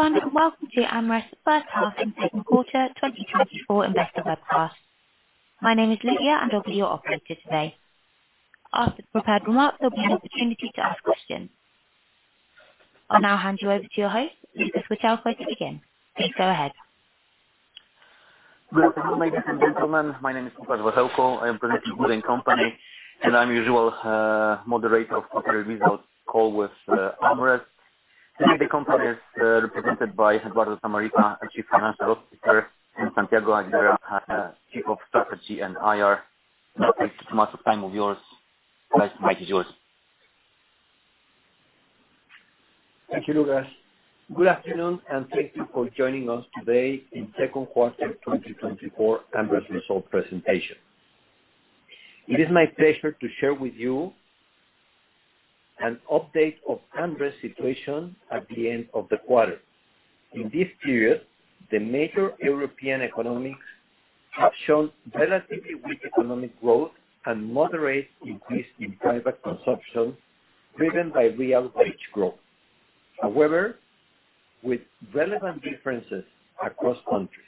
Hello, everyone. Welcome to AmRest's first half and Q2 twenty twenty-four investor webcast. My name is Lydia, and I'll be your operator today. After the prepared remarks, there'll be an opportunity to ask questions. I'll now hand you over to your host, Łukasz Wichełkowski, to begin. Please go ahead. Good afternoon, ladies and gentlemen. My name is Łukasz Wichełkowski. I am President of holding company, and as usual, moderator of quarter results call with AmRest. Today, the company is represented by Eduardo Zamarripa, our Chief Financial Officer, and Santiago Aguilera, Chief of Strategy and IR. Not to take too much time of yours, guys, the mic is yours. Thank you, Łukasz. Good afternoon, and thank you for joining us today in Q2 twenty twenty-four AmRest results presentation. It is my pleasure to share with you an update of AmRest's situation at the end of the quarter. In this period, the major European economies have shown relatively weak economic growth and moderate increase in private consumption, driven by real wage growth. However, with relevant differences across countries.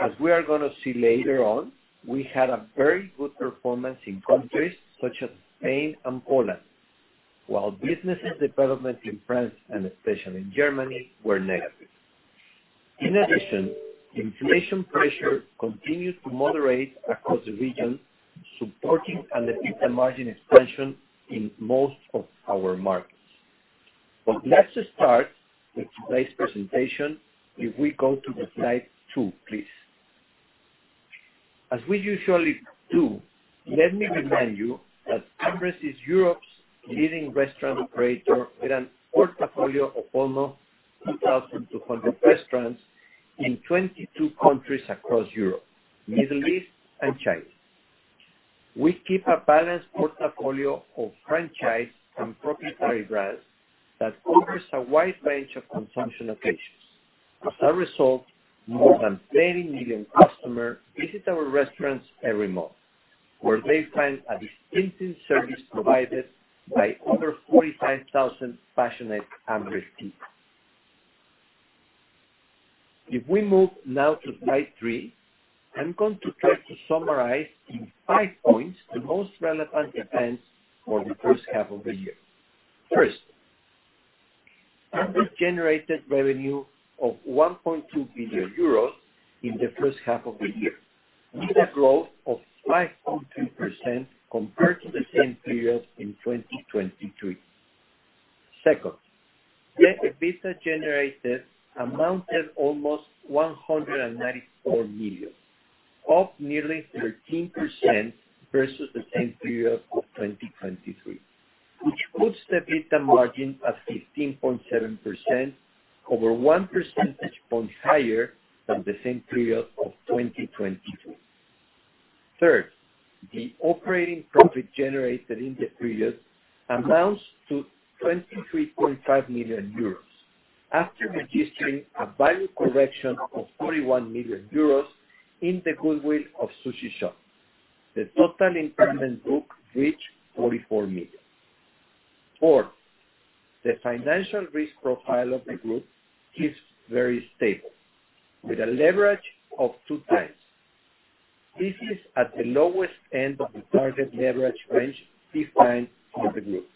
As we are gonna see later on, we had a very good performance in countries such as Spain and Poland, while business development in France and especially in Germany were negative. In addition, inflation pressure continues to moderate across the region, supporting an EBITDA margin expansion in most of our markets, but let's start with today's presentation, if we go to the slide two, please. As we usually do, let me remind you that AmRest is Europe's leading restaurant operator, with a portfolio of almost 2,200 restaurants in 22 countries across Europe, Middle East, and China. We keep a balanced portfolio of franchise and proprietary brands that covers a wide range of consumption occasions. As a result, more than 30 million customers visit our restaurants every month, where they find a distinctive service provided by over 45,000 passionate AmRest people. If we move now to slide 3, I'm going to try to summarize in 5 points the most relevant events for the first half of the year. First, AmRest generated revenue of 1.2 billion euros in the first half of the year, with a growth of 5.2% compared to the same period in 2023. Second, the EBITDA generated amounted almost 194 million, up nearly 13% versus the same period of 2023, which puts the EBITDA margin at 15.7%, over one percentage point higher than the same period of 2022. Third, the operating profit generated in the period amounts to 23.5 million euros, after registering a value correction of 41 million euros in the goodwill of Sushi Shop. The total impairment book reached 44 million. Fourth, the financial risk profile of the group is very stable, with a leverage of 2 times. This is at the lowest end of the target leverage range defined for the group.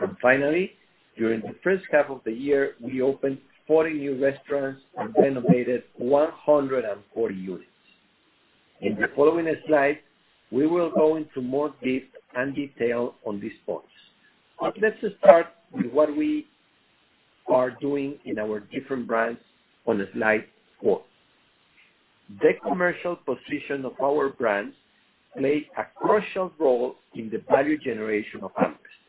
And finally, during the first half of the year, we opened 40 new restaurants and renovated 140 units. In the following slide, we will go into more depth and detail on these points. But let's start with what we are doing in our different brands on the slide four. The commercial position of our brands plays a crucial role in the value generation of AmRest.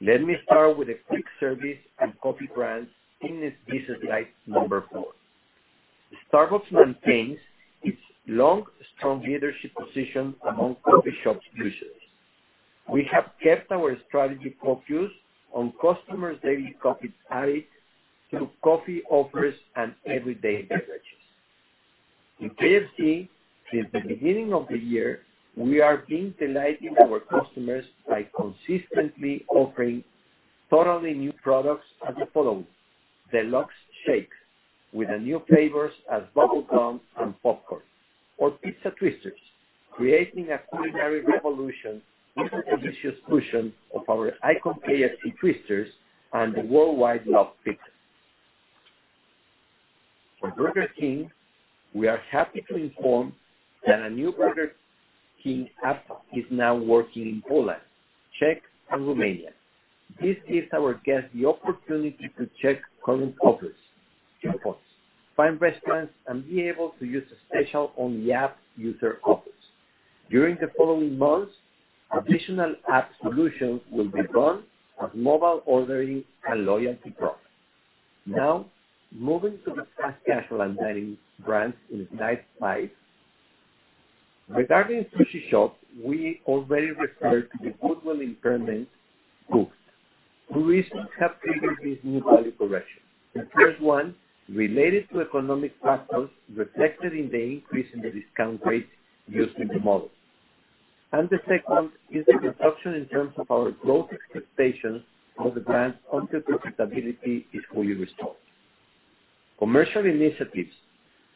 Let me start with the quick service and coffee brands on the business slide number four. Starbucks maintains its long, strong leadership position among coffee shop users. We have kept our strategy focused on customers' daily coffee habit through coffee offers and everyday beverages. In KFC, since the beginning of the year, we have been delighting our customers by consistently offering totally new products such as the following: Deluxe Shakes, with new flavors such as bubblegum and popcorn, or Pizza Twisters, creating a culinary revolution with the delicious fusion of our iconic KFC Twisters and the worldwide loved pizza. For Burger King, we are happy to inform that a new Burger King app is now working in Poland, Czech, and Romania. This gives our guests the opportunity to check current offers, coupons, find restaurants, and be able to use special on-the-app user offers. During the following months, additional app solutions will be run as mobile ordering and loyalty program. Now, moving to the fast casual and dining brands in slide five. Regarding Sushi Shop, we already referred to the goodwill impairment costs. Two reasons have triggered this new value correction. The first one, related to economic factors, reflected in the increase in the discount rate used in the model. And the second is the construction in terms of our growth expectations, for the brand until profitability is fully restored. Commercial initiatives,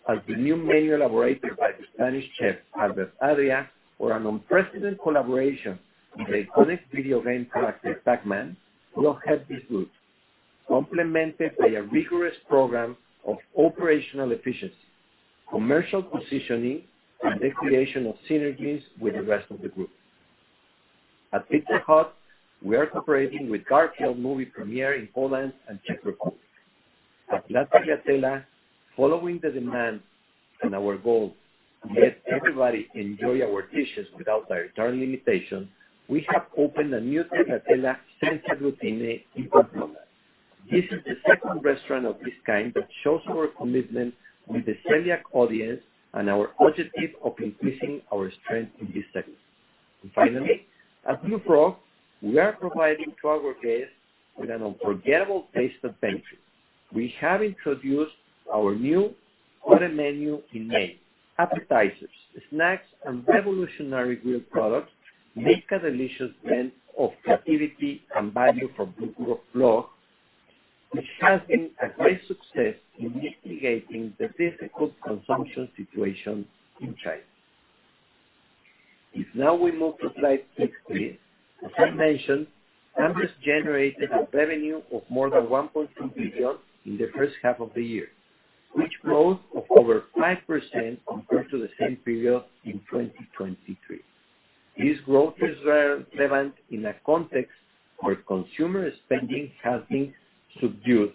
like the new menu elaborated by the Spanish chef, Albert Adrià, or an unprecedented collaboration with the iconic video game character, Pac-Man, will help this group, complemented by a rigorous program of operational efficiency, commercial positioning, and the creation of synergies with the rest of the group. At Pizza Hut, we are cooperating with Garfield movie premiere in Poland and Czech Republic. At La Tagliatella, following the demand and our goal to let everybody enjoy our dishes without dietary limitations, we have opened a new La Tagliatella Senza Glutine in Barcelona. This is the second restaurant of this kind that shows our commitment with the celiac audience and our objective of increasing our strength in this segment. And finally, at Blue Frog, we are providing to our guests with an unforgettable taste adventure. We have introduced our new order menu in May. Appetizers, snacks, and revolutionary grilled products make a delicious blend of creativity and value for Blue Frog, which has been a great success in mitigating the difficult consumption situation in China. If now we move to slide 60, as I mentioned, AmRest generated a revenue of more than 1.2 billion in the first half of the year, which growth of over 5% compared to the same period in 2023. This growth is relevant in a context where consumer spending has been subdued.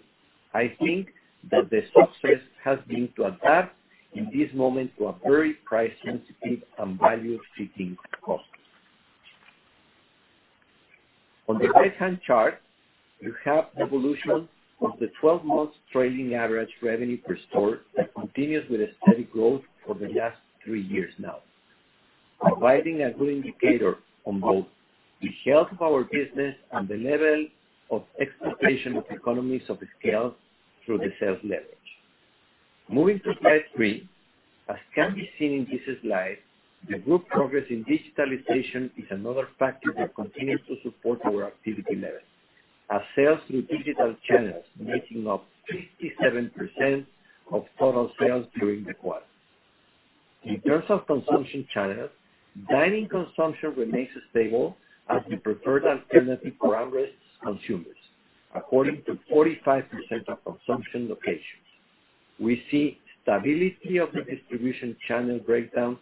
I think that the success has been to adapt in this moment to a very price-sensitive and value-seeking customers. On the right-hand chart, you have evolution of the twelve months trading average revenue per store, that continues with a steady growth for the last three years now, providing a good indicator on both the health of our business and the level of exploitation of economies of scale through the sales leverage. Moving to slide three, as can be seen in this slide, the group progress in digitalization is another factor that continues to support our activity level, as sales through digital channels making up 57% of total sales during the quarter. In terms of consumption channels, dining consumption remains stable as the preferred alternative for AmRest's consumers, according to 45% of consumption locations. We see stability of the distribution channel breakdown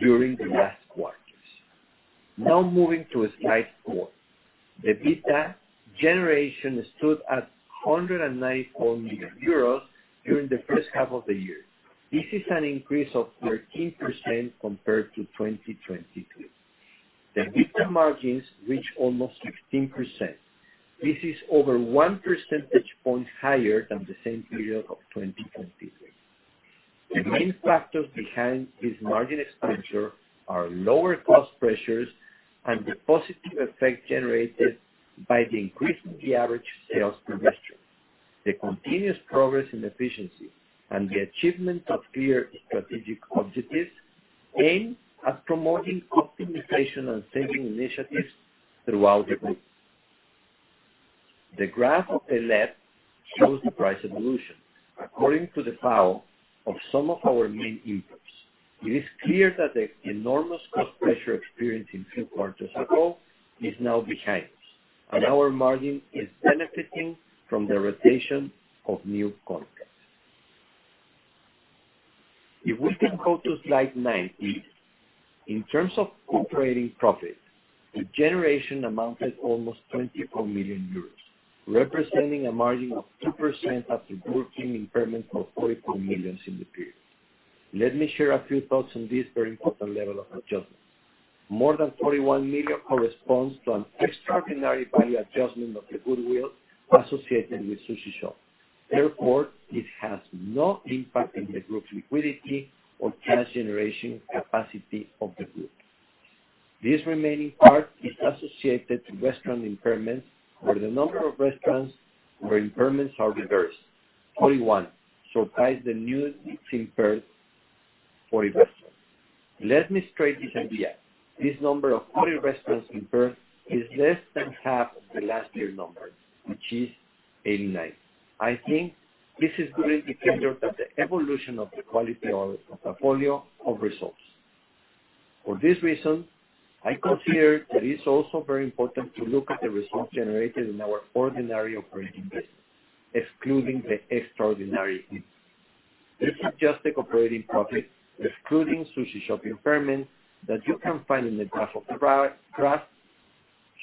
during the last quarters. Now moving to slide four. EBITDA generation stood at 194 million euros during the first half of the year. This is an increase of 13% compared to 2022. The EBITDA margins reach almost 16%. This is over one percentage point higher than the same period of 2023. The main factors behind this margin expansion are lower cost pressures and the positive effect generated by the increase in the average sales per restaurant, the continuous progress in efficiency, and the achievement of clear strategic objectives aimed at promoting optimization and saving initiatives throughout the group. The graph on the left shows the price evolution. According to the price of some of our main inputs, it is clear that the enormous cost pressure experienced in a few quarters ago is now behind us, and our margin is benefiting from the rotation of new concepts. If we can go to slide 90, in terms of operating profit, the generation amounted almost 24 million euros, representing a margin of 2% after goodwill impairment of 44 million in the period. Let me share a few thoughts on this very important level of adjustment. More than 41 million corresponds to an extraordinary value adjustment of the goodwill associated with Sushi Shop. Therefore, it has no impact on the group's liquidity or cash generation capacity of the group. This remaining part is associated to restaurant impairments, where the number of restaurants where impairments are reversed. 41 surpassed the new impaired 40 restaurants. Let me straighten this idea. This number of 40 restaurants impaired is less than half of the last year number, which is 89. I think this is a good indicator that the evolution of the quality of our portfolio of results. For this reason, I consider that it's also very important to look at the results generated in our ordinary operating business, excluding the extraordinary items. This is just the operating profit, excluding Sushi Shop impairment, that you can find in the graph,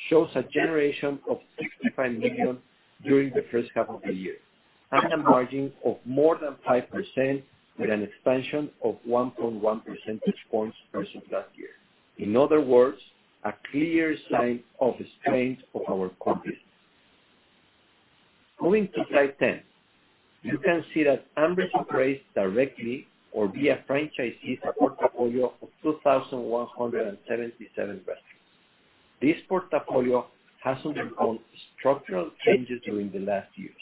shows a generation of 65 million during the first half of the year, and a margin of more than 5%, with an expansion of 1.1 percentage points versus last year. In other words, a clear sign of the strength of our company. Moving to slide 10, you can see that AmRest operates directly or via franchisees, a portfolio of 2,177 units. This portfolio has undergone structural changes during the last years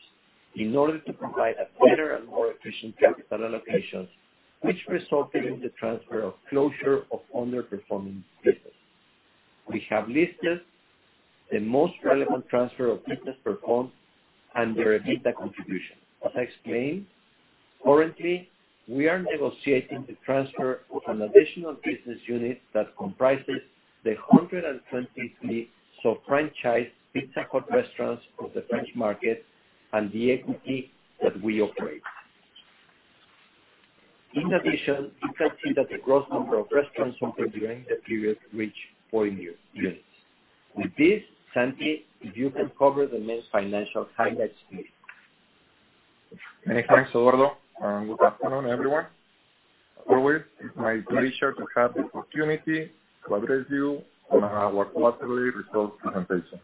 in order to provide a better and more efficient capital allocations, which resulted in the transfer or closure of underperforming business. We have listed the most relevant transfer of business performed and their EBITDA contribution. As explained, currently, we are negotiating the transfer of an additional business unit that comprises the 123 sub-franchise Pizza Hut restaurants of the French market and the equity restaurants that we operate. In addition, you can see that the gross number of restaurants opened during the period reached 40 units. With this, Santi, if you can cover the main financial highlights, please. Many thanks, Eduardo, and good afternoon, everyone. Always, it's my pleasure to have the opportunity to address you on our quarterly results presentation.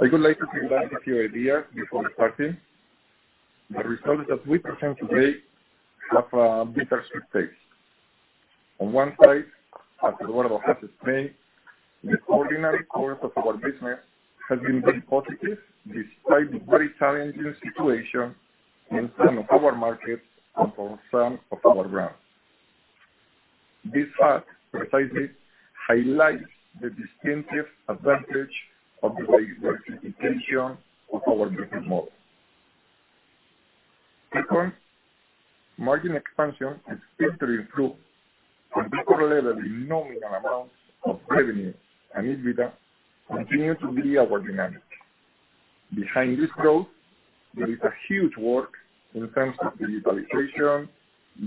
I would like to highlight a few ideas before starting. The results that we present today have bittersweet taste. On one side, as Eduardo has explained, the ordinary course of our business has been very positive, despite the very challenging situation in some of our markets and for some of our brands. This fact precisely highlights the distinctive advantage of the diversification of our business model. Second, margin expansion is still to improve, with double level in nominal amounts of revenue, and EBITDA continues to be our dynamic. Behind this growth, there is a huge work in terms of digitalization,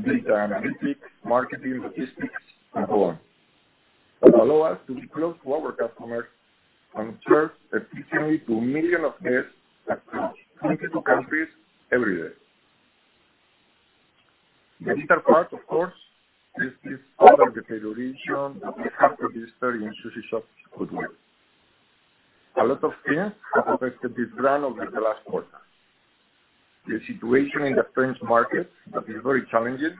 data analytics, marketing, logistics, and so on, that allow us to be close to our customers and serve efficiently to millions of guests across twenty-two countries every day. The bitter part, of course, is this impairment that we have registered in Sushi Shop goodwill. A lot of things have affected this brand over the last quarter. The situation in the French market that is very challenging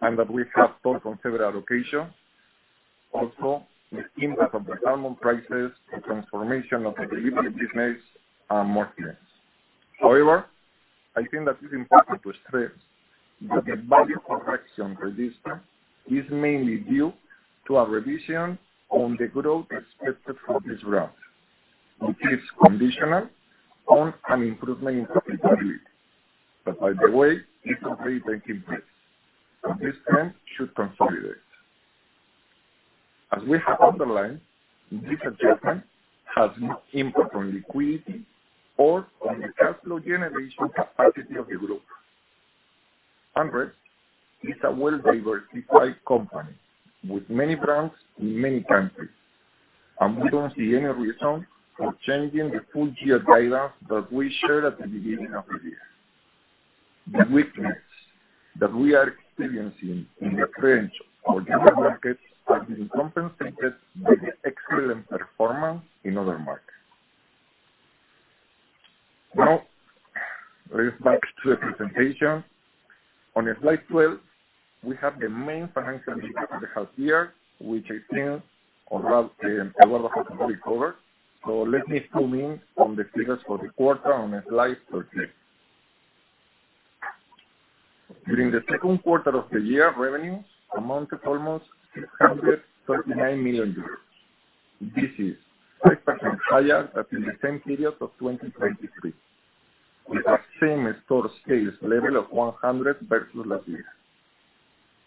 and that we have talked on several occasions. Also, the impact of the salmon prices, the transformation of the delivery business, and more things. However, I think that it's important to stress that the value correction registered is mainly due to a revision on the growth expected for this brand, which is conditional on an improvement in profitability. But by the way, this is already taking place, and this trend should consolidate. As we have underlined, this adjustment has no impact on liquidity or on the cash flow generation capacity of the group. AmRest is a well-diversified company with many brands in many countries, and we don't see any reason for changing the full year guidance that we shared at the beginning of the year. The weakness that we are experiencing in the French or German markets are being compensated by the excellent performance in other markets. Now, let's go back to the presentation. On the slide 12, we have the main financial results of the half year, which I think, or rather, Eduardo has already covered. So let me zoom in on the figures for the quarter on the slide 13. During the Q2 of the year, revenues amounted to almost 639 million EUR. This is 6% higher than the same period of 2023, with a same-store sales level of 100 versus last year.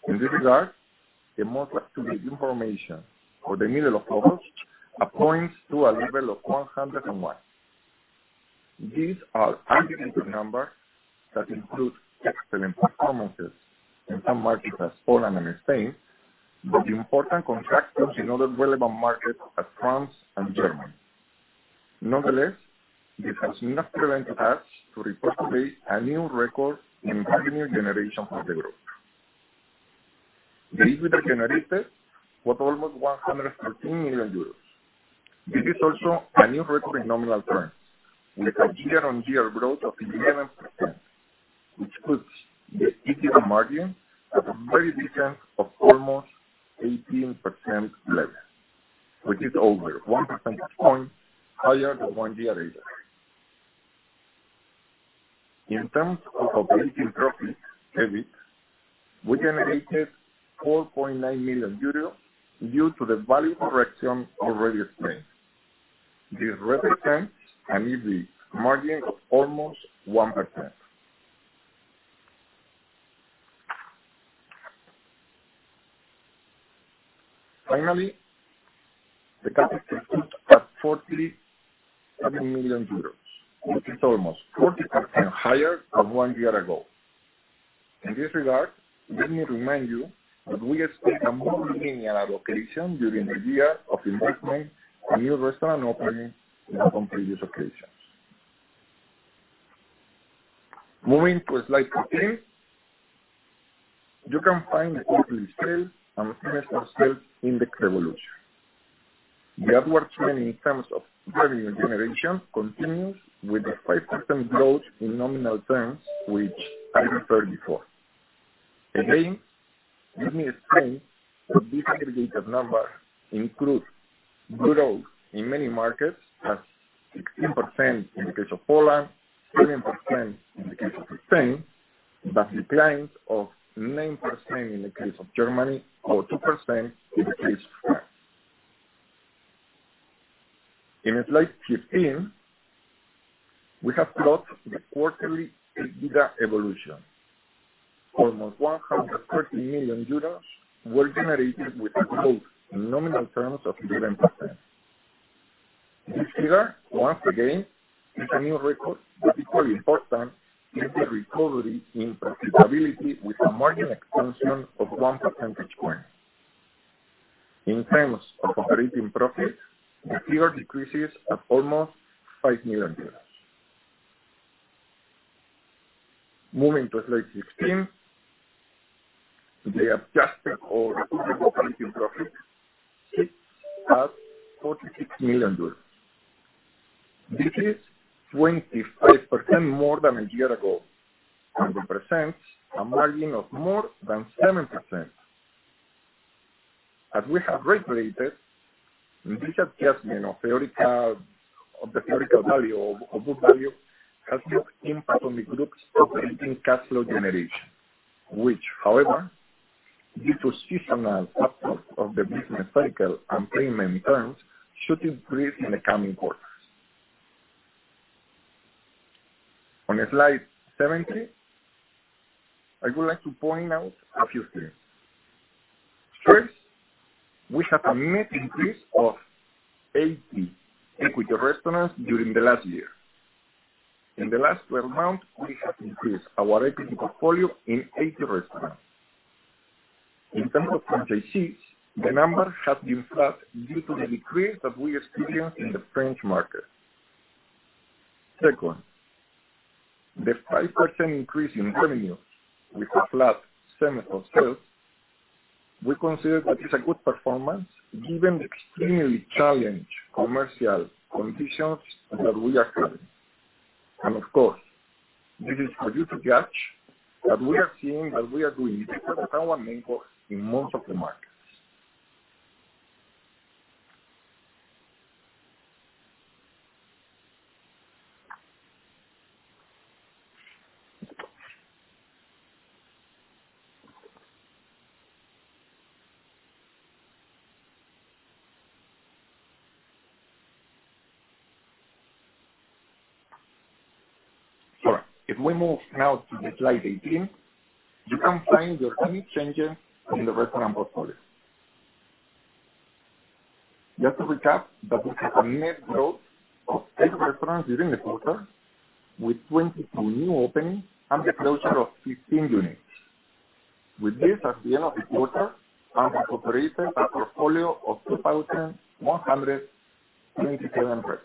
In this regard, the most up-to-date information for the middle of August points to a level of 101. These are aggregate numbers that include excellent performances in some markets, as Poland and Spain, but important contractions in other relevant markets like France and Germany. Nonetheless, this has not prevented us to report today a new record in revenue generation for the group. The EBITDA generated was almost 113 million euros. This is also a new record in nominal terms, with a year-on-year growth of 11%, which puts the EBITDA margin at a very decent level of almost 18%, which is over one percentage point higher than one year ago. In terms of operating profit, EBIT, we generated 4.9 million euros due to the value correction already explained. This represents an EBIT margin of almost 1%. Finally, the cash flow stood at 47 million euros, which is almost 40% higher than one year ago. In this regard, let me remind you that we expect a more linear allocation during the year of investment on new restaurant openings than on previous occasions. Moving to slide 15, you can find the quarterly sales and financial sales index evolution.... The upward trend in terms of revenue generation continues with the 5% growth in nominal terms, which I referred before. Again, let me explain that this aggregated number includes growth in many markets, as 16% in the case of Poland, 13% in the case of Spain, but declines of 9% in the case of Germany, or 2% in the case of France. In slide 15, we have plotted the quarterly EBITDA evolution. Almost 130 million euros were generated, with a growth in nominal terms of 11%. This year, once again, is a new record, but equally important is the recovery in profitability with a margin expansion of one percentage point. In terms of operating profit, the figure decreases at almost 5 million euros. Moving to slide 16, the adjusted or renewable operating profit sits at EUR 46 million. This is 25% more than a year ago, and represents a margin of more than 7%. As we have indicated, this adjustment of the theoretical value or book value has no impact on the group's operating cash flow generation, which however, due to seasonal factors of the business cycle and payment terms, should increase in the coming quarters. On slide 17, I would like to point out a few things. First, we have a net increase of 80 equity restaurants during the last year. In the last 12 months, we have increased our equity portfolio in 80 restaurants. In terms of franchisees, the number has been flat due to the decrease that we experienced in the French market. Second, the 5% increase in revenue with a flat same store sales, we consider that is a good performance given the extremely challenged commercial conditions that we are having. Of course, this is for you to judge, that we are seeing that we are doing better than our main comps in most of the markets. If we move now to slide 18, you can find the only changes in the restaurant portfolio. Just to recap, that we have a net growth of 8 restaurants during the quarter, with 22 new openings and the closure of 16 units. With this, at the end of the quarter, and have operated a portfolio of 2,127 restaurants.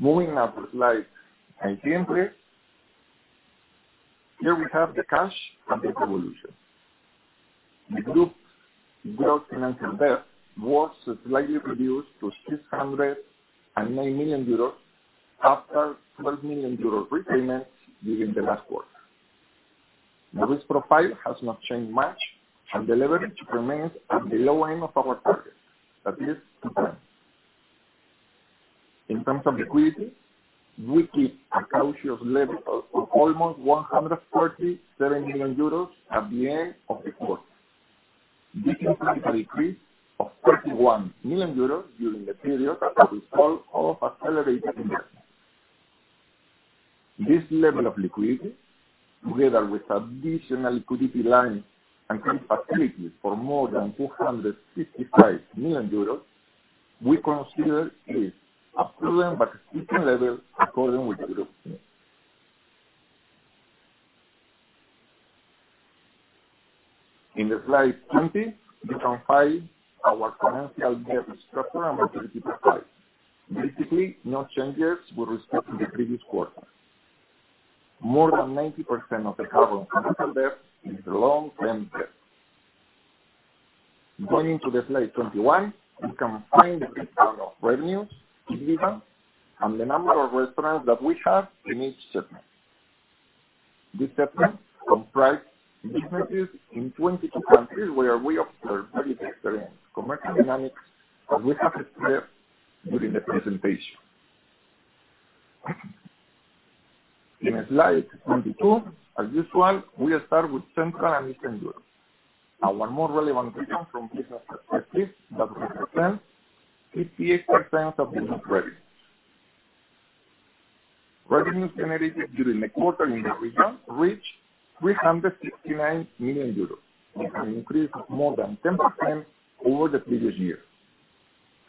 Moving now to slide 19, please. Here we have the cash and debt evolution. The group's gross financial debt was slightly reduced to 609 million euros, after 12 million euros repayments during the last quarter. The risk profile has not changed much, and the leverage remains at the low end of our target, that is, two times. In terms of liquidity, we keep a cautious level of almost 147 million euros at the end of the quarter. This includes a decrease of 31 million euros during the period, as a result of accelerated investment. This level of liquidity, together with additional liquidity lines and credit facilities for more than 265 million euros, we consider is appropriate, but sufficient level according with the group. In the slide 20, you can find our financial debt structure and liquidity profile. Basically, no changes with respect to the previous quarter. More than 90% of the current capital debt is long-term debt. Going into slide 21, you can find the breakdown of revenues, EBITDA, and the number of restaurants that we have in each segment. This segment comprises businesses in 22 countries, where we observe very different commercial dynamics, as we have explained during the presentation. In slide 22, as usual, we'll start with Central and Eastern Europe, our more relevant region from business perspective, that represents 58% of business revenue. Revenue generated during the quarter in the region reached 369 million euros, an increase of more than 10% over the previous year.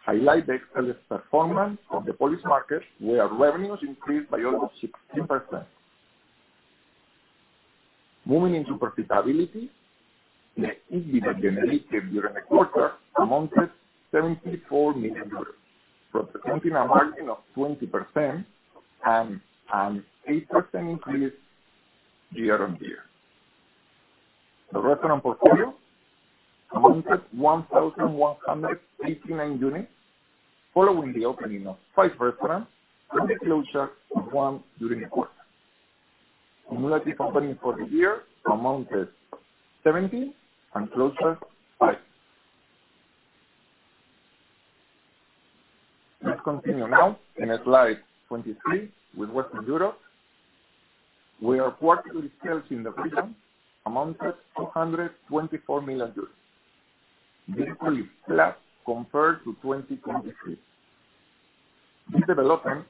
Highlight the excellent performance of the Polish market, where revenues increased by almost 16%. Moving into profitability, the EBITDA generated during the quarter amounted 74 million euros, representing a margin of 20% and an 8% increase year on year. The restaurant portfolio amounted to 1,189 units, following the opening of five restaurants and the closure of one during the quarter. Cumulative opening for the year amounted to 17 and closure, five. Let's continue now in slide 23 with Western Europe, where our quarterly sales in the region amounted to 224 million euros. This is flat compared to 2023. This development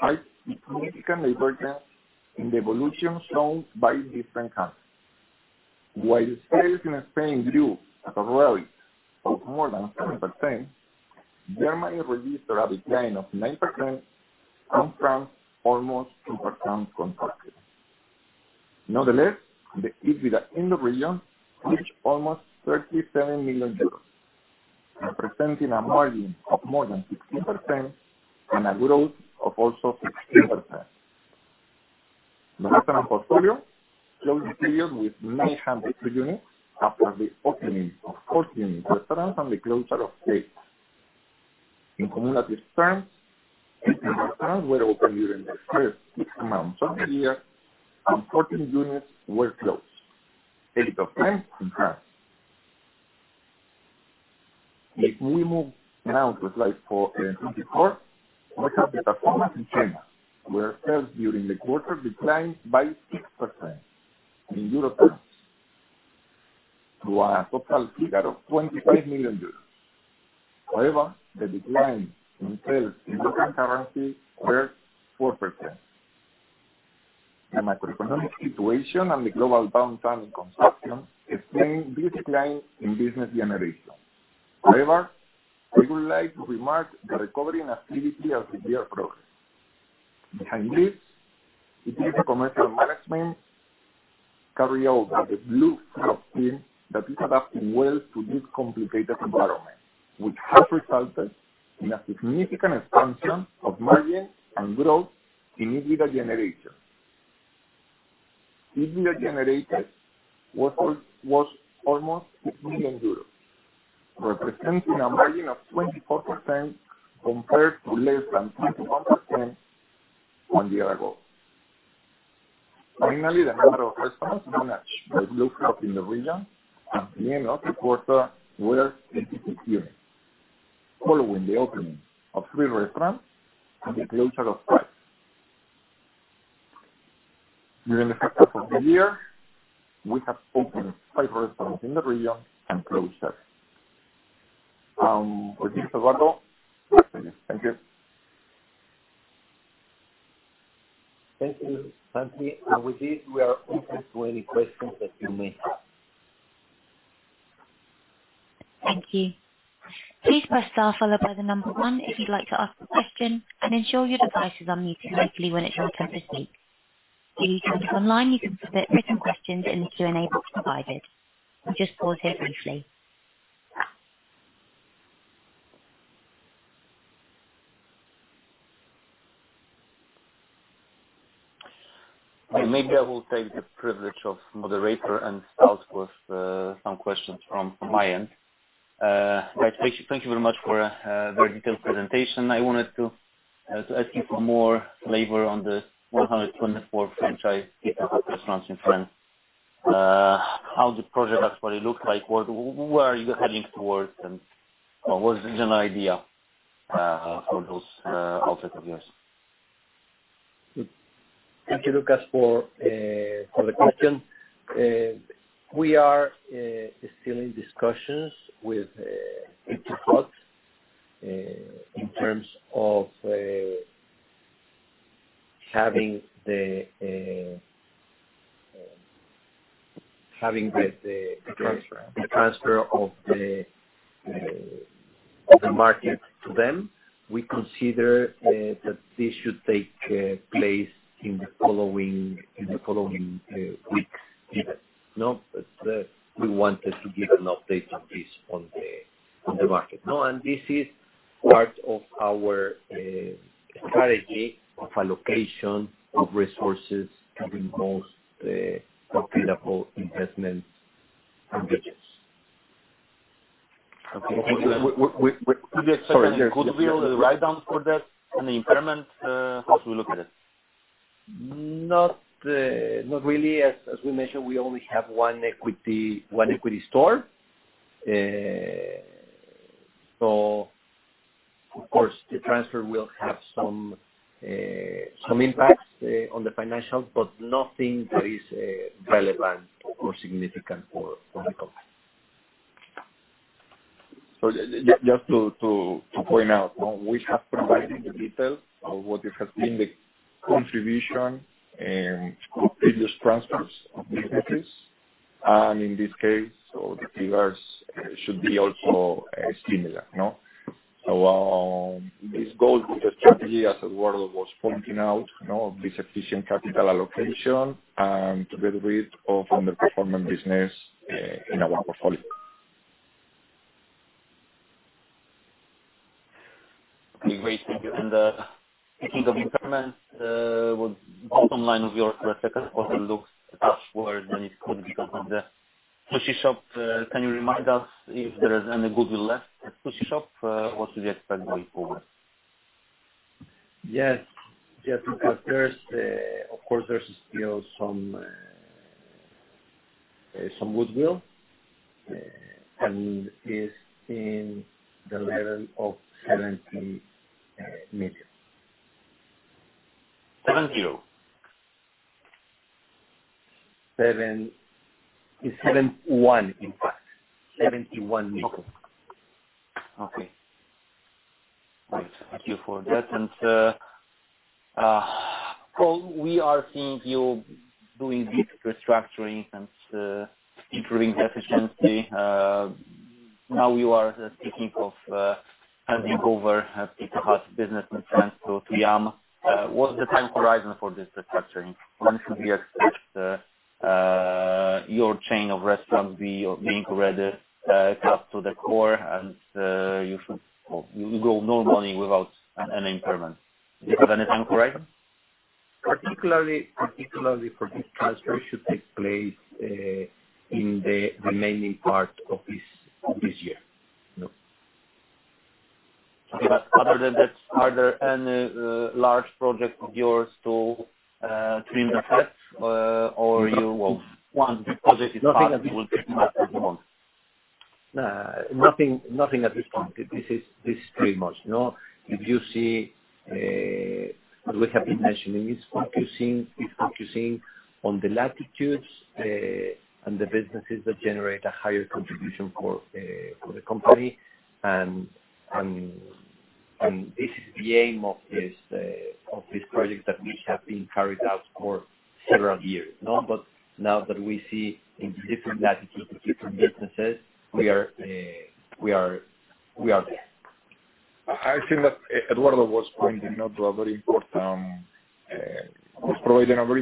highlights the significant divergence in the evolution shown by different countries. While sales in Spain grew at a rate of more than 10%, Germany registered a decline of 9%, and France, almost 2% contracted. Nonetheless, the EBITDA in the region reached almost 37 million euros, representing a margin of more than 16% and a growth of also 16%. The restaurant portfolio closed the period with 900 units after the opening of 14 restaurants and the closure of eight. In cumulative terms, fifty restaurants were opened during the first six months of the year, and fourteen units were closed, eight of them in France. If we move now to slide four, twenty-four, we have the performance in China, where sales during the quarter declined by 6% in EUR terms to a total figure of 25 million euros. However, the decline in sales in local currency were 4%. The macroeconomic situation and the global downturn in consumption explain this decline in business generation. However, we would like to remark the recovery in activity as a clear progress. Behind this, it is the commercial management carry over the Blue Frog team that is adapting well to this complicated environment, which has resulted in a significant expansion of margins and growth in EBITDA generation. EBITDA generated was almost 6 million euros, representing a margin of 24% compared to less than 21% one year ago. Finally, the number of restaurants managed by Blue Frog in the region at the end of the quarter were 86 units, following the opening of 3 restaurants and the closure of 5. During the first half of the year, we have opened 5 restaurants in the region and closed 7. Eduardo? Thank you. Thank you, Santi. And with this, we are open to any questions that you may have. Thank you. Please press star followed by the number one if you'd like to ask a question, and ensure your device is on mute briefly when it's your turn to speak. If you call online, you can submit written questions in the Q&A box provided. I'll just pause here briefly. Maybe I will take the privilege of moderator and start with some questions from my end. Thank you, thank you very much for a very detailed presentation. I wanted to ask you for more elaboration on the one hundred and twenty-four franchise Pizza Hut restaurants in France. How the project actually looks like, what, where are you heading towards and what is the general idea for those assets of yours? Thank you, Łukasz, for the question. We are still in discussions with Pizza Hut in terms of having the The transfer. The transfer of the market to them. We consider that this should take place in the following weeks, even, no? But we wanted to give an update on this, on the market. Now, and this is part of our strategy of allocation of resources to the most profitable investments and business. Okay. W-w-we- Sorry. Could we write down for that an impairment? How do we look at it? Not really. As we mentioned, we only have one equity store, so of course, the transfer will have some impacts on the financials, but nothing that is relevant or significant for the company. So just to point out, no, we have provided the details of what has been the contribution and previous transfers of the assets. And in this case, so the figures should be also similar, no? So this goes with the strategy, as Eduardo was pointing out, you know, this efficient capital allocation, and to get rid of underperforming business in our portfolio.... Great, thank you, and speaking of impairment, what bottom line of yours for a second, because it looks much worse than it could be from the Sushi Shop. Can you remind us if there is any goodwill left at Sushi Shop? What should we expect going forward? Yes. Yes, of course, there's, of course, there's still some, some goodwill, and is in the level of 70 million. Seven zero? 771, in fact. EUR 71 million. Okay. Right. Thank you for that. And, so we are seeing you doing this restructuring and, improving efficiency. Now you are speaking of, handing over a Hut business in France to, to Yum. What's the time horizon for this restructuring? When should we expect, your chain of restaurants be, or being ready, cut to the core, and, you should go normally without an, any impairment. Do you have any time frame? Particularly, particularly for this transfer should take place in the remaining part of this year, you know? But other than that, are there any large projects of yours to trim the fat, or you want positive- Nothing at this point. This is pretty much, you know, if you see, we have been mentioning. It's focusing on the latitudes and the businesses that generate a higher contribution for the company, and this is the aim of this project that we have been carried out for several years, you know, but now that we see in different latitudes, different businesses, we are there. I think that Eduardo was providing a very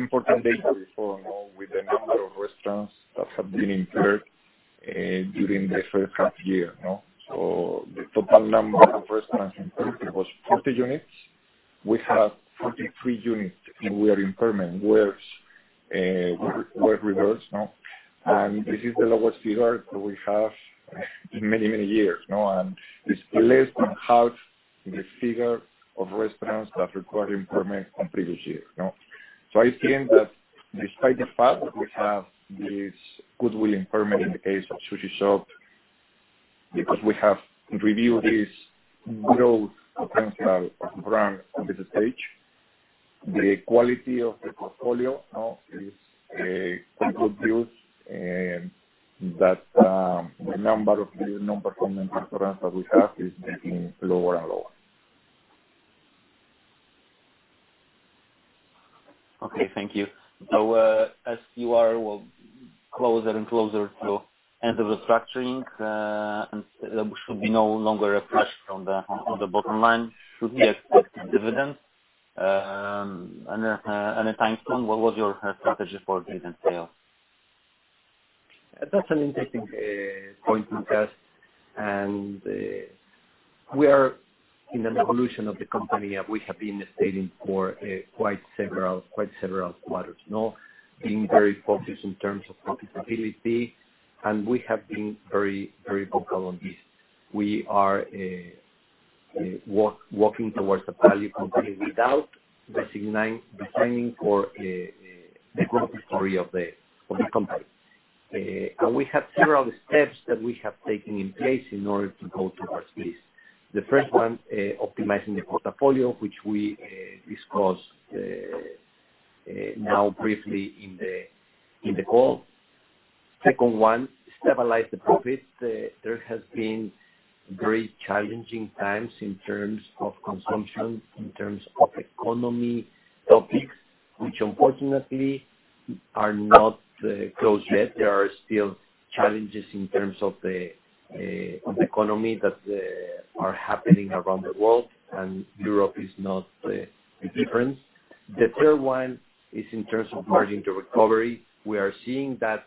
important data before, you know, with the number of restaurants that have been impaired during the first half year, you know. So the total number of restaurants impaired was 40 units. We have 43 units, and we are impairment where were reversed, no? And this is the lowest figure we have in many, many years, you know, and it's less than half the figure of restaurants that required impairment on previous years, you know? I think that despite the fact that we have this goodwill impairment in the case of Sushi Shop, because we have reviewed this growth potential of brand at this stage, the quality of the portfolio, you know, is good news, and that the number of new non-performing restaurants that we have is getting lower and lower. Okay, thank you. So, as you are closer and closer to end of the structuring, and there should be no longer a pressure on the bottom line, should we expect a dividend and a timeline? What's your strategy for dividend payout? That's an interesting point, because and we are in an evolution of the company, as we have been stating for quite several quarters, you know, being very focused in terms of profitability, and we have been very, very vocal on this. We are walking towards a value company without resigning, designing for the growth story of the company. And we have several steps that we have taken in place in order to go towards this. The first one, optimizing the portfolio, which we discussed now briefly in the call. Second one, stabilize the profits. There has been very challenging times in terms of consumption, in terms of economy topics, which unfortunately are not closed yet. There are still challenges in terms of the economy that are happening around the world, and Europe is not different. The third one is in terms of margin recovery. We are seeing that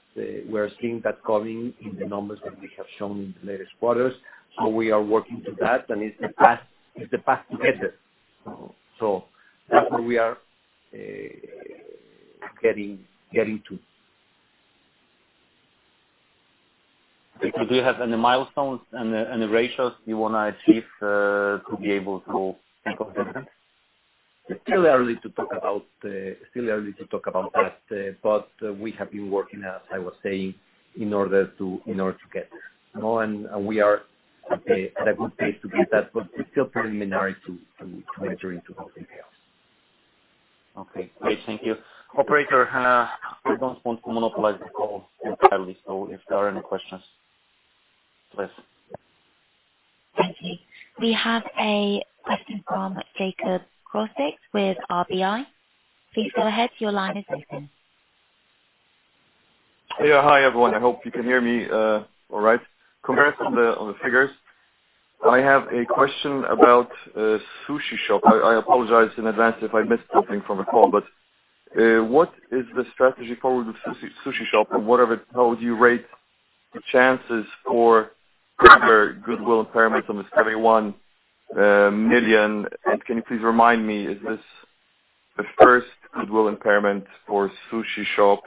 coming in the numbers that we have shown in the latest quarters. So we are working to that, and it's the path together. So, that's where we are getting to. Do you have any milestones and ratios you want to achieve to be able to think of dividend? It's still early to talk about that, but we have been working, as I was saying, in order to get there. You know, and we are at a good pace to get that, but it's still preliminary to enter into those details. Okay. Great, thank you. Operator, I don't want to monopolize the call entirely, so if there are any questions, please. Thank you. We have a question from Jakub Krawczyk with RBI. Please go ahead, your line is open. Yeah. Hi, everyone, I hope you can hear me all right. Congrats on the figures. I have a question about Sushi Shop. I apologize in advance if I missed something from the call, but what is the strategy for the Sushi Shop, and how would you rate the chances for greater goodwill impairment on this 31 million. And can you please remind me, is this the first goodwill impairment for Sushi Shop?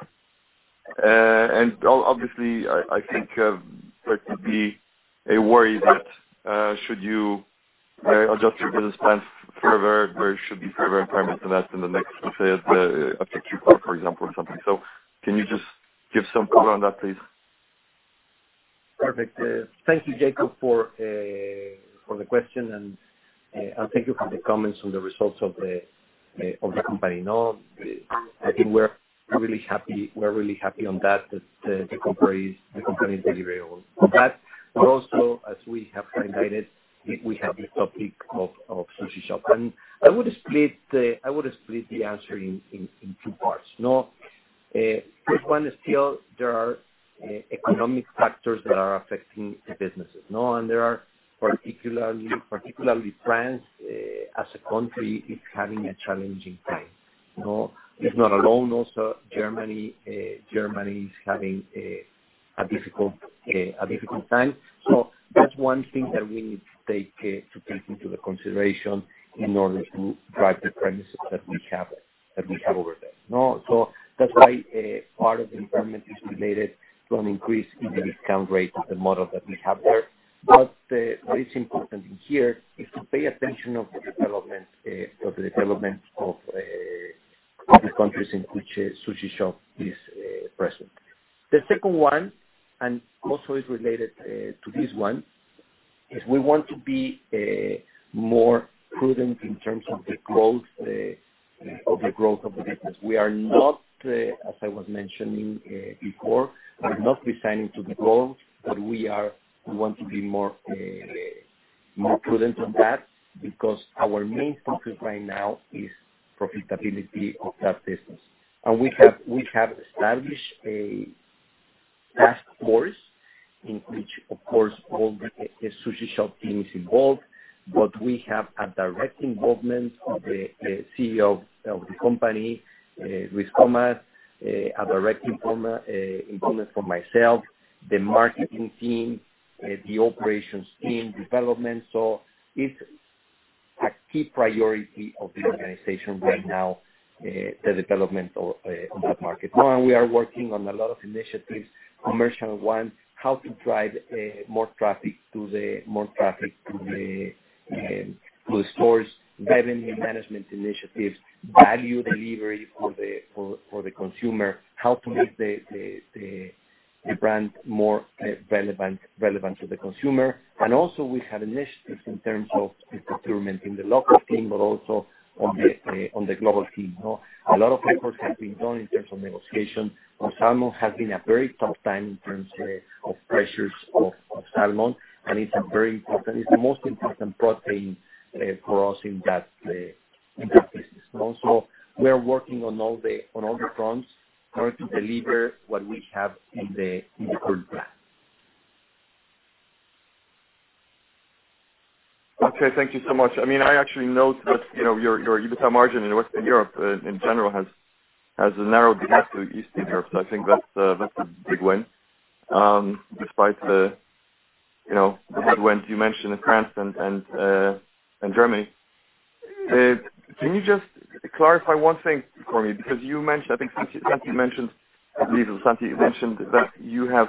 And obviously, I think there could be a worry that should you adjust your business plans further, there should be further impairments to that in the next, let's say, Q4, for example, or something. So can you just give some color on that, please? Perfect. Thank you, Jakub, for the question, and thank you for the comments on the results of the company. No, I think we're really happy on that, that the company is delivering on that, but also, as we have highlighted, we have the topic of Sushi Shop, and I would split the answer in two parts. No, first one is still there are economic factors that are affecting the businesses, no, and there are, particularly, France, as a country, is having a challenging time, no. It's not alone. Also, Germany is having a difficult time. So that's one thing that we need to take into the consideration in order to drive the premises that we have over there. No, so that's why part of the impairment is related to an increase in the discount rate of the model that we have there. But what is important in here is to pay attention of the development of the countries in which Sushi Shop is present. The second one, and also is related to this one, is we want to be more prudent in terms of the growth of the business. We are not, as I was mentioning, before, we're not resigning to the growth, but we want to be more prudent on that because our main focus right now is profitability of that business. We have established a task force in which of course all the Sushi Shop team is involved, but we have a direct involvement of the CEO of the company, Luis Comas, a direct involvement from myself, the marketing team, the operations team, development. So it's a key priority of the organization right now, the development of that market. Now, we are working on a lot of initiatives, commercial one, how to drive more traffic to the stores, revenue management initiatives, value delivery for the consumer, how to make the brand more relevant to the consumer. And also we have initiatives in terms of the procurement in the local team, but also on the global team, no? A lot of effort has been done in terms of negotiation. On salmon has been a very tough time in terms of pressures of salmon, and it's a very important, it's the most important protein for us in that business. So we are working on all the fronts in order to deliver what we have in the current plan. Okay. Thank you so much. I mean, I actually note that, you know, your EBITDA margin in Western Europe, in general, has narrowed behind to Eastern Europe. So I think that's a big win, despite the, you know, the headwinds you mentioned in France and Germany. Can you just clarify one thing for me? Because I think Santi mentioned that you have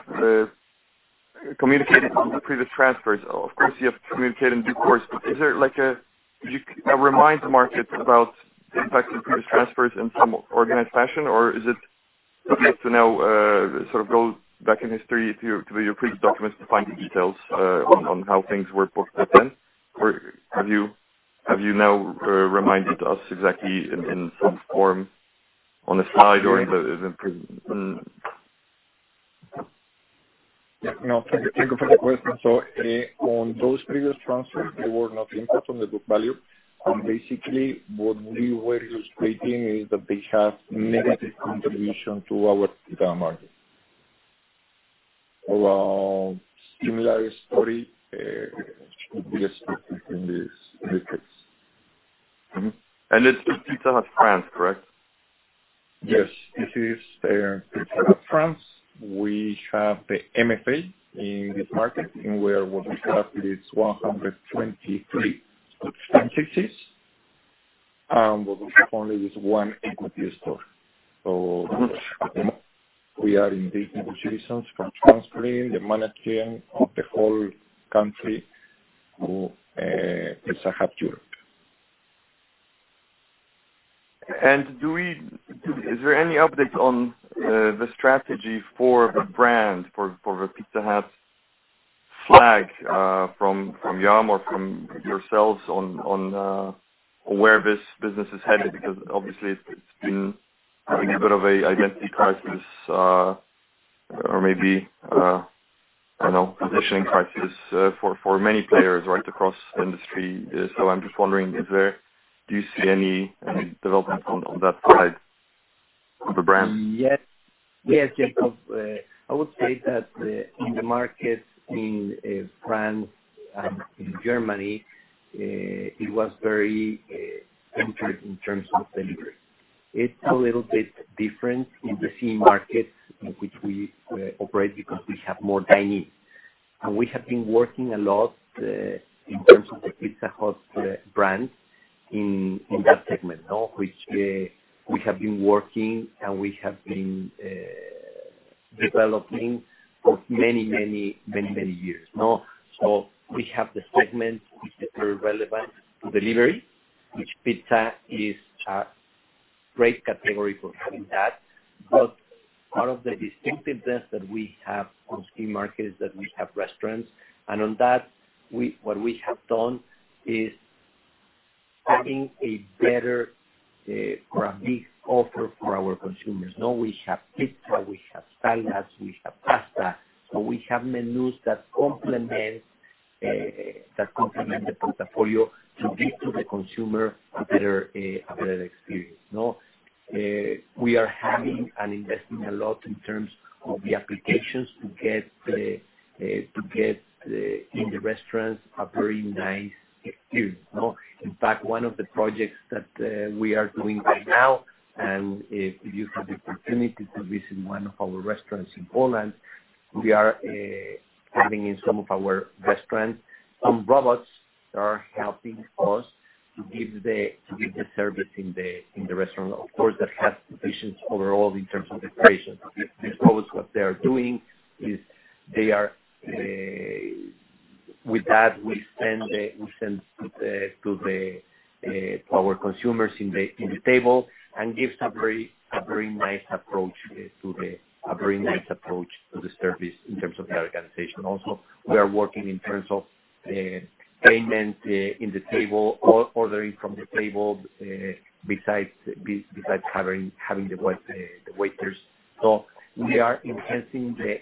communicated the previous transfers. Of course, you have to communicate in due course. But is there like a... do you remind the market about the impact of previous transfers in some organized fashion, or is it enough to know, sort of go back in history to your previous documents to find the details on how things were booked then? Or have you now reminded us exactly in some form on a slide or in the, in- Yeah, no, thank you for the question. So, on those previous transfers, there was no impact on the book value. Basically, what we were illustrating is that they have a negative contribution to our EBITDA margin. A similar story should be expected in this case. Mm-hmm, and it's, it's Pizza Hut France, correct? Yes, this is Pizza Hut France. We have the MFA in this market, and what we have is 123 franchises, and we have only this one equity store. So we are in the negotiations for transferring the management of the whole country to Pizza Hut Europe. Is there any update on the strategy for the brand, for the Pizza Hut flag, from Yum! or from yourselves on where this business is headed? Because obviously it's been having a bit of an identity crisis, or maybe I don't know, positioning crisis, for many players right across the industry. So I'm just wondering, do you see any developments on that side of the brand? Yes. Yes, Jakub, I would say that, in the markets in, France and in Germany, it was very intense in terms of delivery. It's a little bit different in the CEE market, in which we operate because we have more dining. And we have been working a lot, in terms of the Pizza Hut brand in, in that segment, no? Which, we have been working, and we have been developing for many, many, many, many years, no? So we have the segment which is very relevant to delivery, which pizza is a great category for having that. But part of the distinctiveness that we have on CEE market is that we have restaurants, and on that, what we have done is having a better, or a big offer for our consumers, no? We have pizza, we have salads, we have pasta, so we have menus that complement the portfolio to give to the consumer a better experience, no? We are having and investing a lot in terms of the applications to get in the restaurants a very nice experience, no? In fact, one of the projects that we are doing right now, and if you have the opportunity to visit one of our restaurants in Poland, we are having in some of our restaurants, some robots are helping us to give the service in the restaurant. Of course, that has positions overall in terms of the operation. These robots, what they are doing is they are. With that, we send to our consumers in the tablet, and gives a very nice approach to the service in terms of the organization. Also, we are working in terms of payment in the tablet or ordering from the tablet, besides having the waiters. So we are enhancing the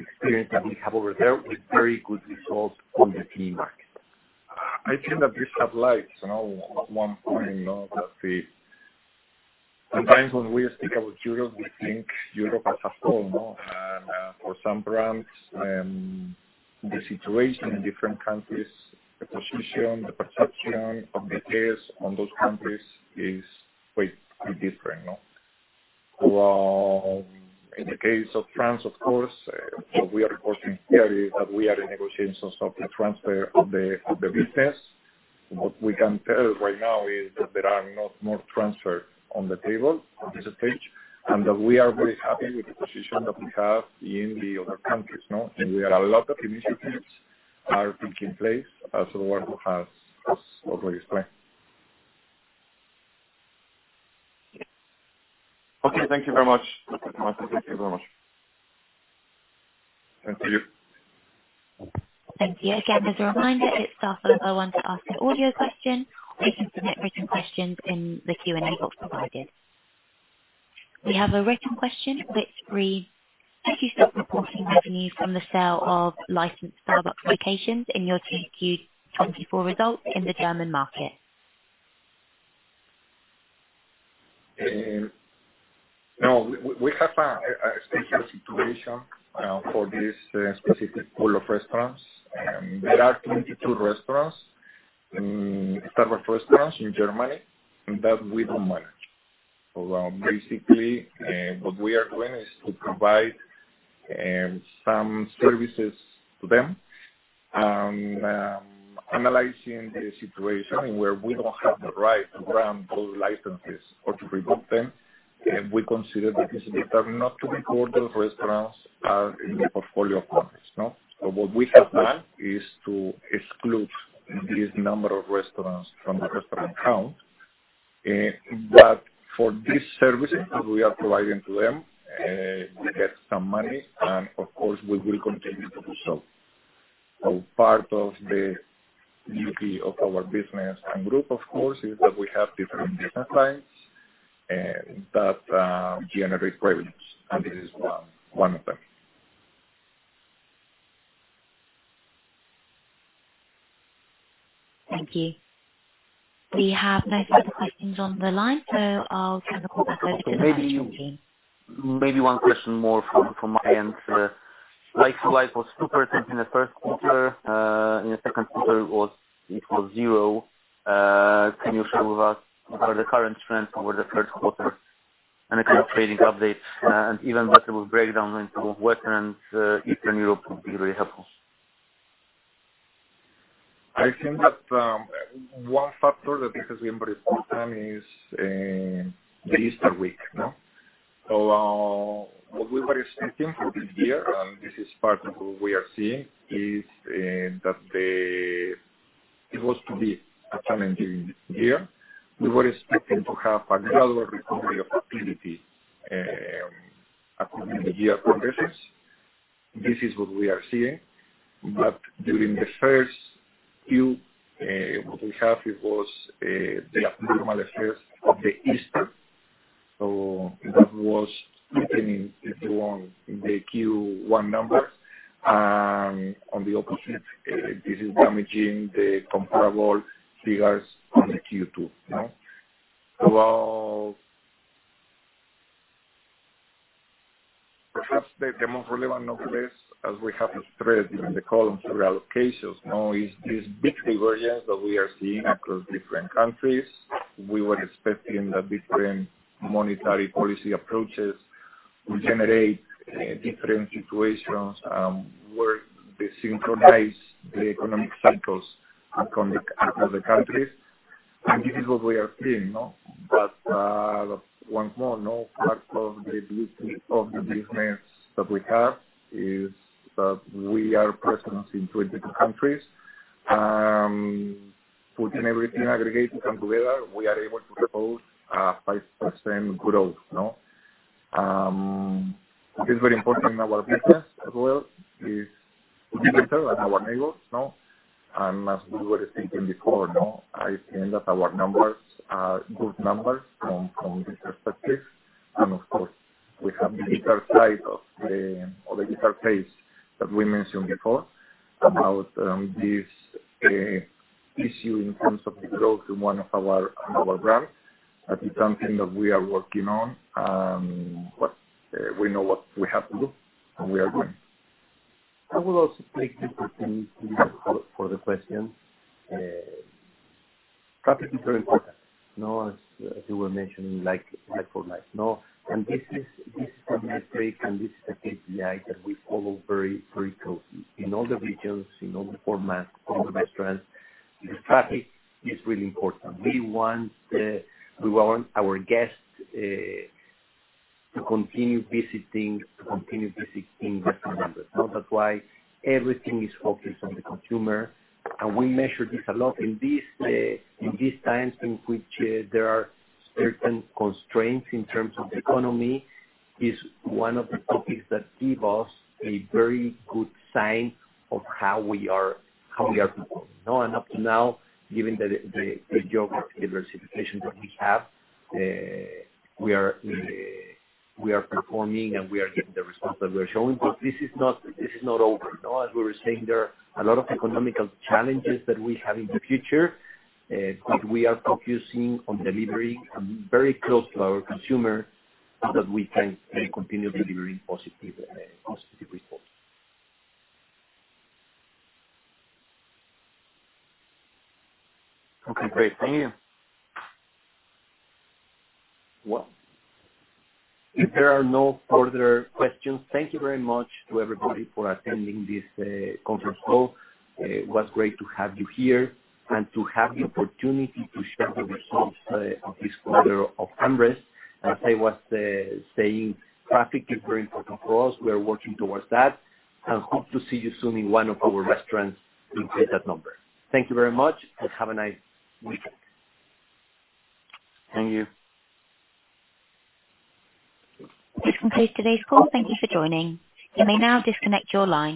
experience that we have over there with very good results on the CEE market. I think that you have liked, you know, at one point, you know, that the, sometimes when we speak about Europe, we think Europe as a whole, no? And, for some brands, the situation in different countries, the position, the perception of the case on those countries is quite, quite different, no? So, in the case of France, of course, what we are reporting here is that we are in negotiating some of the transfer of the business. What we can tell right now is that there are no more transfers on the table, at this stage, and that we are very happy with the position that we have in the other countries, no? And we have a lot of initiatives are taking place, as Eduardo has just already explained. Okay, thank you very much. Thank you very much. Thank you. Thank you. Again, as a reminder, it's star five, oh one, to ask an audio question, or you can submit written questions in the Q&A box provided. We have a written question which reads: Did you stop reporting revenues from the sale of licensed Starbucks locations in your 1Q 2024 results in the German market? No, we have a special situation for this specific pool of restaurants. There are 22 Starbucks restaurants in Germany, and that we don't manage. So, basically, what we are doing is to provide some services to them. Analyzing the situation where we don't have the right to run those licenses or to revoke them, and we consider that these are not to be core, those restaurants are in the portfolio of companies, no? So what we have done is to exclude this number of restaurants from the restaurant count, but for these services that we are providing to them, we get some money, and of course, we will continue to do so. Part of the beauty of our business and group, of course, is that we have different clients that generate revenues, and this is one of them. Thank you. We have no further questions on the line, so I'll come back over to the- Maybe one question more from my end. Like for Sushi in the first quarter, in the Q2 it was zero. Can you share with us what are the current trends over the third quarter? Any kind of trading updates, and even like a little breakdown into Western and Eastern Europe would be very helpful. I think that, one factor that has been very important is, the Easter week, no? So, what we were expecting for this year, and this is part of what we are seeing, is, that it was to be a challenging year. We were expecting to have a gradual recovery of activity as the year progresses. This is what we are seeing, but during the first Q, what we have is, it was, the abnormal effects of the Easter. So that was happening, if you want, in the Q1 numbers. And on the opposite, this is damaging the comparable figures on the Q2, no? So, the most relevant, no less, as we have said during the call and the locations, no, is this big divergence that we are seeing across different countries. We were expecting that different monetary policy approaches will generate different situations where they synchronize the economic cycles across the countries, and this is what we are seeing, no, but once more no part of the beauty of the business that we have is that we are present in 22 countries, putting everything aggregated and together, we are able to propose 5% growth, no. It's very important in our business as well, our neighbors, no, and as we were thinking before, no, I think that our numbers are good numbers from this perspective, and of course we have the digital side or the digital pace that we mentioned before about this issue in terms of the growth in one of our brands. That is something that we are working on, but we know what we have to do, and we are doing. I will also take the opportunity for the question. Traffic is very important, no, as you were mentioning, like-for-like, no? And this is a metric, and this is a KPI that we follow very, very closely. In all the regions, in all the formats, all the restaurants, the traffic is really important. We want our guests to continue visiting restaurants. So that's why everything is focused on the consumer, and we measure this a lot. In these times in which there are certain constraints in terms of the economy is one of the topics that give us a very good sign of how we are performing, no? Up to now, given the geographic diversification that we have, we are performing, and we are getting the results that we are showing. But this is not, this is not over, no. As we were saying, there are a lot of economic challenges that we have in the future, but we are focusing on delivering, and very close to our consumer, so that we can continue delivering positive results. Okay, great. Thank you. Well, if there are no further questions, thank you very much to everybody for attending this conference call. It was great to have you here and to have the opportunity to share the results of this quarter of AmRest. As I was saying, traffic is very important for us. We are working towards that, and hope to see you soon in one of our restaurants, increase that number. Thank you very much and have a nice weekend. Thank you. This concludes today's call. Thank you for joining. You may now disconnect your line.